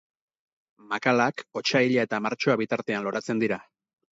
Makalak, otsaila eta martxoa bitartean loratzen dira.